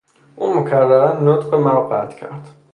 او مکررا نطق مرا قطع کرد.